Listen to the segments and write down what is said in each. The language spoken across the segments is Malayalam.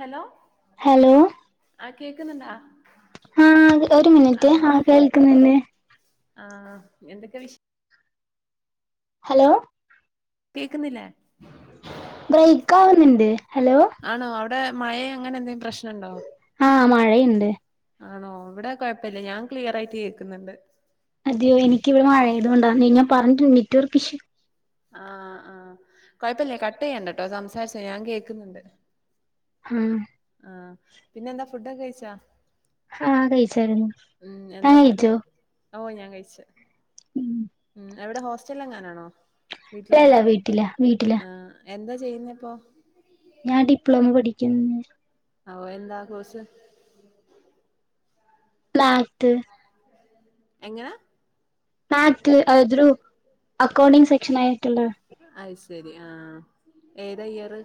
ഹലോ ഹലോ ആ കേക്ക്ന്ന്ണ്ടോ ആ ഒരു മിനിറ്റ് ആ കേൾക്ക്ന്ന്ണ്ട് ആഹ് എന്തൊക്കെ വിഷേ ഹലോ കേക്ക്ന്നില്ലേ ബ്രേക്കാവ്ന്ന്ണ്ട് ഹലോ ആണോ അവിടെ മഴ അങ്ങനെ എന്തെങ്കിലും പ്രശ്നം ഉണ്ടോ ആ മഴയ്ണ്ട് ആണോ ഇവിടെ കൊഴപ്പല്ല ഞാൻ ക്ലിയറായിട്ട് കേക്ക്ന്ന്ണ്ട് അതെയോ എനിക്കിവിടെ മയേതോണ്ട നിങ്ങ പറഞ്ട്ട് നെറ്റ്‌വർക്ക് ശ്യൂ ആഹ് ആഹ് കൊഴപ്പില്ല കട്ട് ചെയ്യണ്ട കേട്ടോ സംസാരിച്ചോ ഞാൻ കേക്ക്ന്ന്ണ്ട് ആ ആ പിന്നെന്താ ഫുഡൊക്കെ കഴിച്ചോ ആഹ് കഴിച്ചായിരുന്നു ഉം താൻ എന്താ ഫുഡ് കഴിച്ചോ ഓ ഞാൻ കഴിച്ച് ഉം ഉം എവടെ ഹോസ്റ്റലെങ്ങാനാണോ വീട്ട്ലെന്നാ ഇല്ലല്ല വീട്ടിലാ വീട്ടിലാ ആ എന്താ ചെയ്യ്ന്നെ ഇപ്പോ ഞാൻ ഡിപ്ലോമ പഠിക്കുന്നു ഓ എന്താ കോസ് [unintelligible] എങ്ങനാ ആ ക്ക് അയ്ദ്രു അക്കൗണ്ടിംഗ് സെക്ഷനായിട്ട്ള്ളെ അത് ശരി ആഹ് ഏതാ അയ്യറ്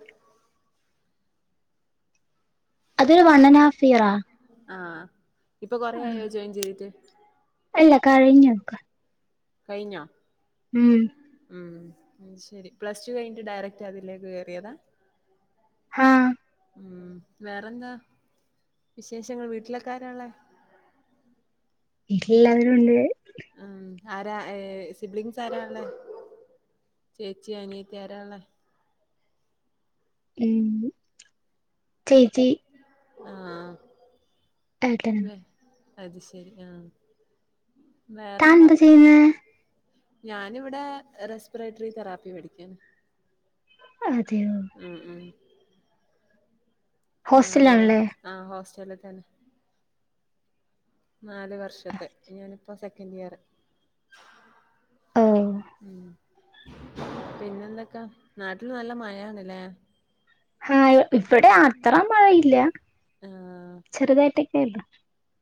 അതൊരു വണ്ണനാ ഫിയറാ ആഹ് ഇപ്പൊ കൊറയായോ ജോയിൻ ചെയ്തിട്ട് അല്ല കഴിഞ്ഞൊക്ക കയ്ഞ്ഞൊ ഉം ഉം അത് ശെരി പ്ലസ് ടു കയ്ഞ്ട്ട് ഡയറക്റ്റ് അതിലേക്ക് കേറിയെതാ ആ ഉം വേറെന്താ വിശേഷങ്ങൾ വീട്ടിലൊക്കാരാള്ളെ എല്ലാവരും ണ്ട് ഉം ആരാ ഏ [unintelligible] സാറാണോ [inaudible] ചേച്ചി അനിയത്തിയാരാള്ളേ? ഉം ചേച്ചി ആഹ് ഏട്ടനും അത് ശെരി ആഹ് താൻ വേറെന്താ എന്താ ചെയ്യുന്നേ ഞാനിവിടെ റെസ്പിറേറ്ററി തെറാപ്പി പടിക്കാണ് അതെയോ ഉം ഉം നാല് വ ഹോസ്റ്റലാണല്ലേ ആ ഹോസ്റ്റല് തന്നെ നാല് വർഷത്തെ ഞാനിപ്പോ സെക്കന്റ് ഇയറ് ഓ ഉം പിന്നെന്തക്കാ നാട്ടില് നല്ല മയാണ്ല്ലേ ആഹ് ഇപടെ അത്ര മഴയില്ല ആഹ് ചെറുതായിട്ടൊക്കെയൊള്ളു.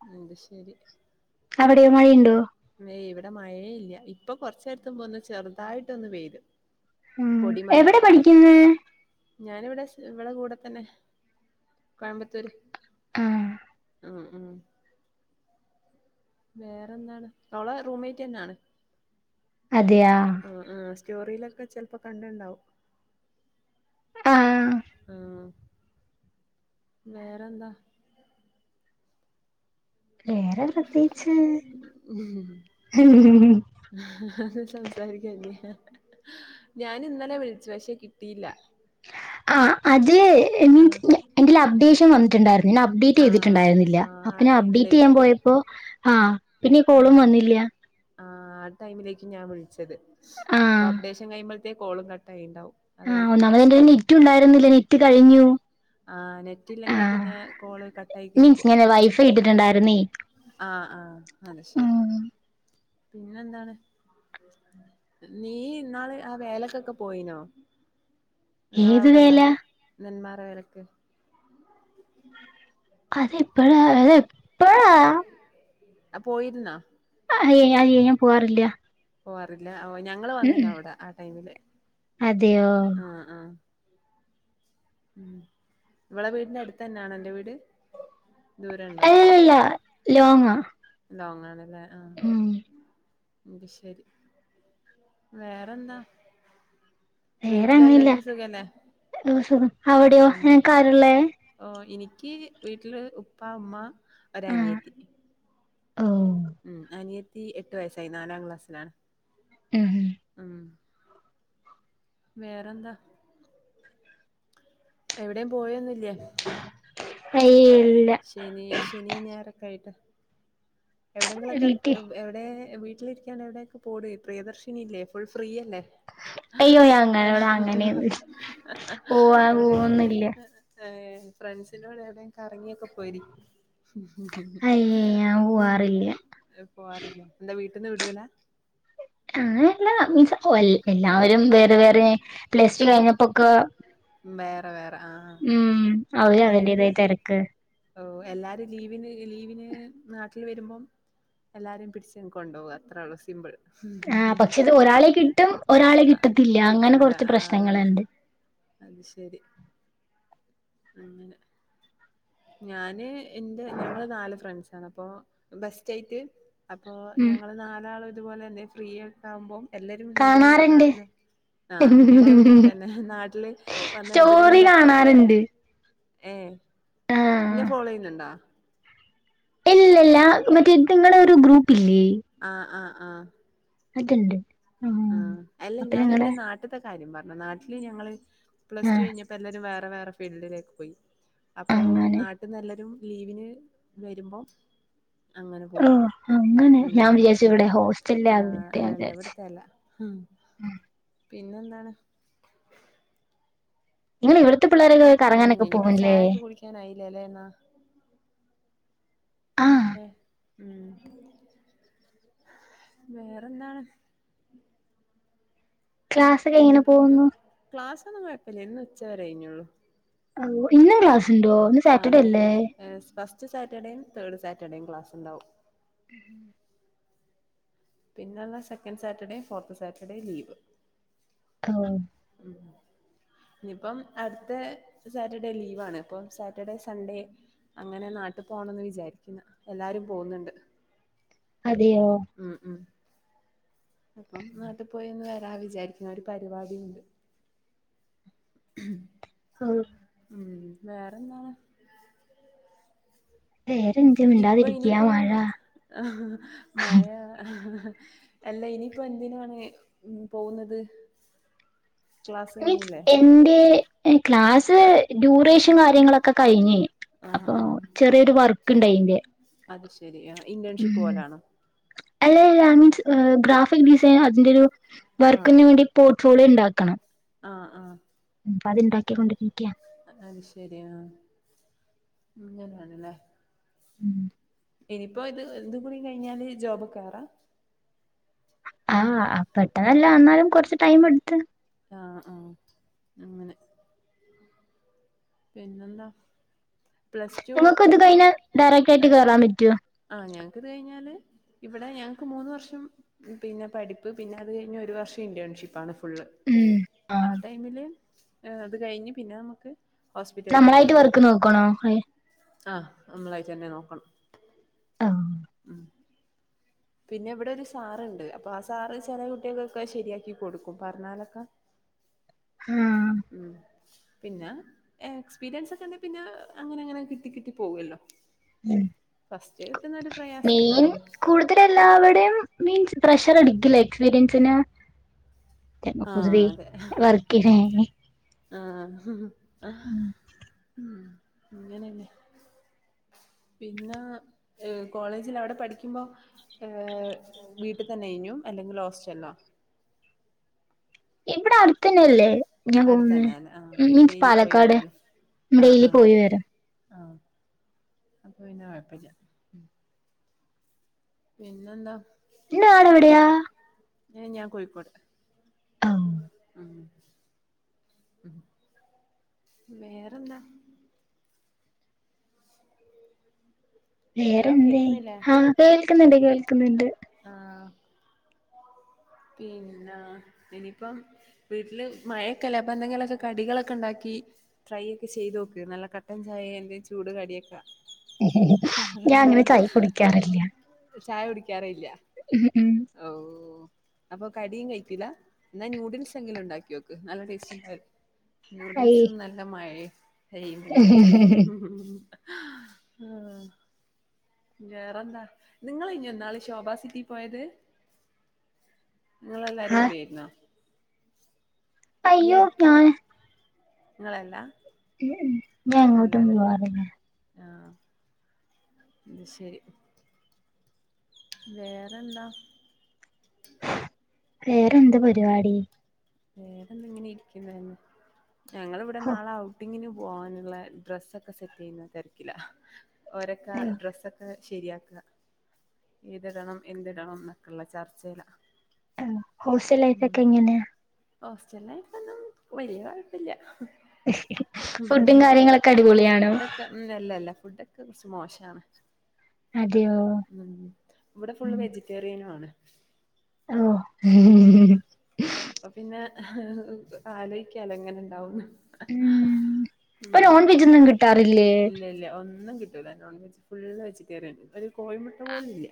[unintelligible] ശരി അവിടെയോ മഴയുണ്ടോ ഏയ് ഇവിടെ മഴയേ ഇല്ല ഇപ്പൊ കൊർച്ച് നേരത്തുമ്പെ ഒന്ന് ചെറുതായിട്ടൊന്ന് പെയ്ത് ഉം പൊടി മയ എവിടെ പഠിക്കുന്നെ ഞാനിവിടെ ഇവളെ കൂടെ തന്നെ കോയമ്പത്തൂര് ആഹ് ഉം ഉം വേറെന്താണ് അവളെ റൂംമ്മേറ്റ് ന്നാണ്. അതെയാ ആ സ്റ്റോറിയിലൊക്കെ ചെലപ്പോ കണ്ട്‌ണ്ടാവും ആ ആ വേറെന്താ? വേറെ പ്രത്യേകിച്ച് സംസാരിക്കന്ന ഞാനിന്നലെ വിളിച്ചു പക്ഷേ കിട്ടിയില്ല ആ അത് ആഹ് എന്റെൽ അപ്ഡേഷൻ വന്നിട്ടുണ്ടായിരുന്നു ഞാൻ അപ്ഡേറ്റ് ആഹ് ചെയ്തിട്ടുണ്ടായിരുന്നില്ല. ആഹ് അപ്പൊ ആ ഞാൻ അപ്ഡേറ്റ് ചെയ്യാൻ പോയപ്പോ ആഹ് ആ ആ ആ ടൈമിലേക്കും ഞാൻ വിളിച്ചത് ആ അപ്പ അപ്ഡേഷൻ കഴുമ്പോഴത്തേക്കോളും കാൾ കട്ടായിണ്ടാവും ആഹ് ഒന്നാമതെന്റെൽ നെറ്റും ഉണ്ടായിരുന്നില്ല നെറ്റ് കഴിഞ്ഞു ആഹ് ആ നെറ്റില്ലെങ്കിൽ പിന്നെ കോള് കട്ടായി മീൻസ് കേക്കും ഞാൻ വൈഫൈ ഇട്ടിട്ടുണ്ടായിരുന്നേ ആഹ് ആഹ് അത് ശരി ഉം പിന്നെന്താണ് നീ ഇന്നാള് ആ വേലക്കൊക്കെ പോയീനോ ഏത് നിങ്ങളവിടെള്ള വേല നെന്മാറ വേലക്ക് അതെപ്പഴാ അതെ പ്പ അ പോയിരുന്നാ അയ്യേ [unintelligible] ഞാൻ പോവാറില്ല പോവാറില്ല ഓ ഞങ്ങള് ഉം ഉം വന്നീനവടെ ആ ടൈമില് അതെയോ ആ ആ ഉം ഇവളെ വീടിന്റെ അടുത്തെന്നാണോ ന്റെ വീട്? ദൂരണ്ടോ അല്ലല്ല ലോങ്ങാ ലോങ്ങണ് ലേ ആഹ് ഉം അത് ശരി വേറെന്താ വേറെ ഒന്നുല്ല വീട്ടിലെല്ലാർക്കും സുഖല്ലേ ഓ സുഖം അവിടെയോ ഉം നിങ്ങക്കാരെള്ളെ? ഓ ഇനിക്ക് വീട്ടില് ഉപ്പ ഉമ്മ ഒരനിയത്തി ആഹ് ഉം അനിയത്തി എട്ട് വയസ്സായി നാലാം ക്ലാസ്സിലാണ് ഉം ഉം വേറന്താ എവിടെയും പോയൊ അയില്ല ശനി ശനി ഞായറൊക്കായിട്ട്. എവിടെയങ്കിലുംക്കെ വീട്ടിൽ എവിടെ വീട്ടിലിരിക്കാണ്ട് എവിടെയൊക്കെ പോട് പ്രിയദർശിനി ഇല്ലേ ഫുൾ ഫ്രീയല്ലേ. അയ്യോ ഞാൻ അങ്ങനെ ഇവിടെ അങ്ങനെയൊന്നും പോവാൻ എവിടെ പോവൊന്നില്ല ഏഹ് ഫ്രണ്ട്സിനോട് എവിടെ കറങ്ങിയൊക്കെ പോയിരി.. അയ്യേ ഞാൻ ഉം പോവാറില്ല പോവാറില്ലേ എന്താ വീട്ടിന്ന് വിടുലാ.. അങ്ങനല്ല. മീൻസ് എല്ലാവരും വേറെ വേറെ പ്ലസ്റ്റു ആ കഴിഞ്ഞപ്പോക്കെ.. വേറെ വേറെ ആഹ് ഉം അവര് അപ്പൊ എല്ലാരും അവരുടേതായ തിരക്ക് ഓഹ് എല്ലാരും ലീവിന് ലീവിന് നാട്ടില് വരുമ്പം. എല്ലാരും പിടിച്ച് കൊണ്ടോക ത്രേള്ളൂ സിമ്പിൾ ആഹ് പക്ഷെ ഇത് ഒരാളെ കിട്ടും ഒരാളെ ആഹ് കിട്ടത്തില്ല അങ്ങനെ കിട്ടൂല കുറച്ച് ആഹ് പ്രശ്നങ്ങളുണ്ട് അത്ശരി അങ്ങനെ ഞാന് ന്റെ ഞങ്ങള് നാല് ഫ്രണ്ട്സാണ് അപ്പൊ ബെസ്റ്റായിട്ട് അപ്പൊ ഉം ഞങ്ങള് നാലാള് ഇതുപോലെ എന്നെ ഫ്രീയൊക്ക ആകുമ്പ എല്ലാരും ലീവിന് കാണാറുണ്ട് നാട്ടില്... ആഹ് ഞങ്ങള് ഇങ്ങൻതന്നെ നാട്ടില് വന്ന സ്റ്റോറി എബിടെങ്കിലൊക്കെ പോ.. കാണാറുണ്ട് ഏഹ് ന്നെ ആഹ് ഫോളോയ്യുന്നുണ്ടോ? ഇല്ല ഇല്ല മറ്റേ നിങ്ങളെ ഒരു ഗ്രൂപ്പ് ഇല്ലേ? ആഹ് ആഹ് ആഹ് അത്ണ്ട് ആഹ് അല്ല ഞാൻ നിന്റെ നാട്ടത്തെ കാര്യം പറഞ്ഞ നാട്ടില് ഞങ്ങള് പ്ലസ് ടു ആഹ് കഴിഞ്ഞ... ഇപ്പോ എല്ലാവരും വേറെ വേറെ ഫീൽഡിലേക്ക് പോയി. അപ്പോ അങ്ങനെ നാട്ടിന്ന് എല്ലാരും.. ലീവിന് വരുമ്പം. അങ്ങനെ പോവും ഓഹ് അങ്ങനെ ഞാൻ ഉം വിചാരിച്ചു ഉം ഇവിടെ ആഹ് ഹോസ്റ്റലിലാകട്ടെ ഞാൻ അല്ലല്ല വിചാരിച്ചു ഇ.. പിന്നെന്താണ് നിങ്ങൾ ഇവിടുത്തെ പിള്ളേൊക്ക കറങ്ങാനൊക്കെ പോകുംല്ലേ ക്കാനായില്ലല്ലേന്നാ. ആഹ് ഉം വേറെന്താണ് ക്ലാസ്സൊക്കെ ഇനിയി എങ്ങനെ പ്പ പോകുന്നു ക്ലാസ്സന്നും കുഴപ്പല്ല്യ ഇന്ന് ഉച്ചവരൊയിഞ്ഞോള്ളൂ. ഓഹ് ഇന്ന് ക്ലാസ്ണ്ടോ ഇന്ന് ആഹ് സാറ്റർഡേല്ലേ ക്ലാസ് ഫസ്റ്റ് സാറ്റർഡയും തേർഡ് സാറ്റർഡേയും ക്ലാസ്ണ്ടാവും. ഉം പിന്നെള്ള second Saturday fourth Saturday leave. ആഹ് ഉം ഉം ഇഞ്ഞിപ്പം അടുത്ത സാറ്റർഡേ ലീവാണ് പ്പം സാറ്റർഡേ സൺഡേ.. അങ്ങനെ നാട്ട് പോണംന്ന് വിചാരിക്കുന്നു എല്ലാരും പോകുന്നുണ്ട്. അതെയോ ഉം അപ്പം നാട്ട് പോയൊന്ന് വരാ വിചാരി.. വേറെ പരിപാടിണ്ട് ആഹ് ഉം വേറെന്താണ്. വേറെന്ത ഇപ്പൊ മിണ്ടാതിരിക്ക ഇനിയിപ്പോ മഴ മഴ അല്ല. ഇനിയിപ്പോന്തിനാണ് പോകുന്നത് ക്ലാസ് മൻ കഴിഞ്ഞില്ലേ എന്റെ ക്ലാസ് ഡ്യൂറേഷ ഫുഡും കാര്യങ്ങളൊക്കെ കഴിഞ് ആഹ് അപ്പൊ ആഹ് ചെറിയൊരു വർക്ക്ണ്ട് അയിന്റെ അത് ശെരി. ആഹ് ഇന്റേൺഷിപ്പ് പോലാണോ? അല്ല ല്ല ഐ മീൻസ് ഗ്രാഫിക് ഡിസൈൻ അതിന്റെ ഒരു ആഹ് വർക്കിന് വേണ്ടി പോട്ട് ഫോളിയോ ഉണ്ടാക്കണം ആഹ് ആഹ് അപ്പൊ അത് ഉണ്ടാക്കിക്കൊണ്ടിരിക്ക അഹ് ശരിയാ അങ്ങനെണല്ലേ. ഉം ഇനിയിപ്പോ ഇത് ഇത് കൂടി കഴിഞ്ഞാല് ജോബ് കയറാ ആഹ [unintelligible] എന്നാലും കുറച്ച് ടൈം എടുത്ത് ആഹ് ആഹ് അങ്ങനെ പിന്നന്താ? നമ്മക്ക് ഇത് കഴിഞ്ഞാ ഡയറക്ട് ആയിട്ട് കേറാൻ പറ്റോ? ആഹ് ഞങ്ങക്ക് ഇത് കഴിഞ്ഞാല് ഇവിടെ ഞങ്ങൾക്ക് മൂന്ന് വർഷം പിന്നെ പഠിപ്പ് പിന്നെ അത് കഴിഞ്ഞ് ഒരു വർഷം ഇൻ്റെൺഷിപ്പാണ്. ഫുള്ള് ആ ടൈമില് അത് കഴിഞ്ഞ് പിന്നെ നമുക്ക് ഹോസ്പിറ്റലിലൊക്കെ നമ്മളായിട്ട് കേറാം വർക്ക് നോക്കണോ ആ നമ്മളായിട്ട് തന്നെ നോക്കണം. [unintelligible] ഉം പിന്നെ ഇവിടെ ഒരു സാറ്ണ്ട് അപ്പൊ ആ സാറ് ചെല കുട്ടികൾക്കെ ശരിയാക്കി കൊടുക്കും പറഞ്ഞാലൊക്കെ. [inaudible] ഹാം ഉം പിന്നെ എക്സ്പീരിയൻസ് ഒക്കെണ്ടങ്കി പിന്നെ അങ്ങനെ അങ്ങനെ കിട്ടി കിട്ടി പോകല്ലോ. ഫസ്റ്റ്ത്തുന്ന ഒരു പ്രയാസേ ഉണ്ടാവള്ളൂ. എല്ലാവരെയും മീൻസ് പ്രഷർടിക്കില്ലേ എക്സ്പീരിയൻസിന്? ആഹ് അതെ [unintelligible] ആഹ് ആഹ് ആ അങ്ങനന്നെ പിന്നെ ഏ കോളേജിൽ അവിടെ പഠിക്കുമ്പോ ഏഹ് വീട്ടിൽ തന്നെ അയ്നു അല്ലെങ്കിൽ ഹോസ്‌റ്റല്ലോ? ഇവിടെ അടുത്തനല്ലേ? [unintelligible] അടുത്ത് പോകുന്ന തന്നെ അല്ലേ ആഹ് അപ്പൊ മീൻസ് ഡെയിലി പോയി പാലക്കാട് വരാല്ലേ ആഹ് ഡെയിലി ആഹ് പോയി വരാം ആഹ് അപ്പൊ പിന്നാ കൊഴപ്പല്ല്യ. പിന്നെന്താ നാടെവിടെയാ ഏ ഞാൻ കോഴിക്കോട്. ഓ ഉം ഉം വേറെന്താ [inaudible] ഹലോ വേറെന്തേ കേക്കുന്നില്ലേ ആഹ് കേൾക്ക്ന്ന്ണ്ട് കേൾക്ക്ന്ന്ണ്ട്. ആഹ് പിന്നെ ഇനിയിപ്പം വീട്ട്ല് മഴയൊക്കെല്ലേ അപ്പൊ എന്തെങ്കിലുക്കെ കടികളൊക്കെ ഉണ്ടാക്കി ട്രൈ ഒക്കെ ചെയ്തു നോക്ക് നല്ല കട്ടൻ ചായ എന്തെ ചൂട് കടിയക്കാ ഞാൻ അങ്ങനെ ചായ് കുടിക്കാറില്ല. ചായ കുടിക്കാറേ ഇല്ല ഉം ഉം. അവ് അപ്പൊ കടിം കഴിക്കില്ല. എന്നാൽ ന്യൂഡിൽസ് എങ്കിലും ഉണ്ടാക്കി നോക്ക് നല്ല ടേസ്റ്റ് ഉണ്ടാവില്ലെ. ഐ. നൂഡിൽസ് നല്ല മഴേ ഹൈ മൂട്. ഹാ ആഹ് വേറെന്താ നിങ്ങളെനോ ഇന്നാള് ശോഭാ സിറ്റി പോയത്. നിങ്ങളെല്ലാരും ആ, കൂടിയായിരുന്നോ? ഈ അയ്യോർ അടുത്ത് ക നിങ്ങളല്ല ഉം ഉം ഞാൻ അങ്ങോട്ടും അല്ലല്ലേ പോവാറില്ല. ആഹ് ഇ ശരി വേറെന്താ [inaudible] വേറെന്ത പരിപാടി വേറെ എന്തങ്ങനെ ഇരിക്കുന്നന്നെ ഞങ്ങിവിടെ ഹോ, നാളെ ഔട്ടിങ്ങിന് പോവാനുള്ള ഡ്രസൊക്കെ സെറ്റ് ചെയ്യുന്ന തെരിക്കില ഓരൊക്കെ ഏ, ഡ്രസ്ക്കെ ശരിയാക്കുക ഏത്ടണം എന്തിടണം എന്നൊക്കെയള്ള ചർച്ചയില ആഹ് ഹോസ്റ്റൽ ലൈഫക്കെ എങ്ങനെയ ഹോസ്റ്റൽ ലൈഫ് ഒന്നും വലിയ കുഴപ്പില്ല ഫുഡും കാര്യങ്ങളൊക്കെ അടിപൊളിയാണോ ഫുഡൊക്കെ നല്ലല്ല ഫുഡൊക്കെ കുറച്ച് മോശാണ് അതെയോ ഉം ഇവിടെ ഫുള്ള് വെജിറ്റേറിയനും ആണ് ഉം ഓഹ് അപ്പൊ പിന്നെ ആലോചിക്കാലൊ അങ്ങനെ ഇണ്ടാവുന്നു ഉം ഇപ്പൊ ഉം നോൺ വെജ് ഒന്നും കിട്ടാറില്ലേ ഇല്ല ഇല്ല ഒന്നും കിട്ട നോൺ വെജ് ഫുള് വെജ കയറുണ്ട് ഒരുര് കോഴിമുട്ട പോലും ഇല്ല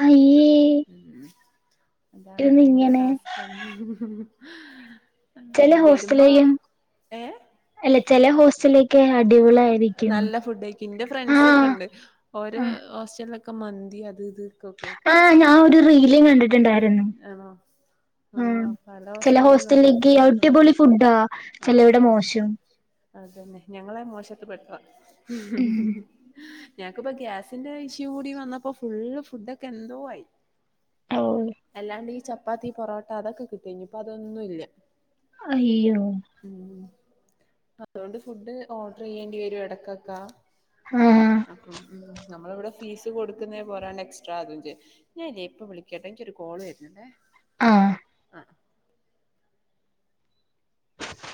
അയ്യേ ഉം അതാണ് ഇതെന്താ ഭയങ്കര ഇങ്ങനെ ടാസ്ക് ആഹ് ചെല വരുമ്പോ ഹോസ്റ്റലിലും ഏഹ് അല്ല ചെല ഹോസ്റ്റലില് ഒക്കെ അടിപൊളി നല്ല ഫുഡ് ആയി ഇന്റെ ഫ്രണ്ട്സ് ഒക്കെ ഉണ്ട് ഓര ആഹ് ഹോസ്റ്റലക്കെ ഒക്കെ മന്തി അത് ഇത് കേക്കാ ആഹ് ഞാന് ഒരു റീല് കണ്ടിട്ടുണ്ടായിരുന്നു ആണോ ആഹ് പല ചെല ഹോസ്റ്റലിലും നല്ല ഹോസ്റ്റലിലേക്ക് ഫുഡൊക്കെ അടിപൊളി ഫുഡാ ആഹ് ചെലവിടെ തന്നെ മോശം അതന്നെ ഞങ്ങളെ മോശത്ത് പെട്ട ഉം ഞനക്കിപ്പോ ഗ്യാസിന്റെ ഇഷ്യൂ കൂടി വന്നപ്പോ ഫുള് ഫുഡൊക്കെ എന്തോ ആയി ഓഹ് അല്ലാണ്ട് ഈ ചപ്പാത്തി പൊറോട്ട അതൊക്കെിട്ട ഇഞ്ഞിപ്പൊ അതൊന്നുല്ല അയ്യോ ഉം അതുകൊണ്ട് ഫുഡ് ഓർഡർ ചെയ്യേണ്ടി വരും ഇടക്കക്കാ ആഹ് അപ്പം ഉം നമ്മള് ഇവിടെ ഫീസ് കൊടുക്കുന്നേ പോലെ എക്സ്ട്രാ അതും ചെയ ഞാനൻല്ലേ ഇപ്പൊ വിളിക്കട്ടോ എനിക്കൊരു കോള് വരുന്നല്ലേ ആഹ് ആഹ് ഉ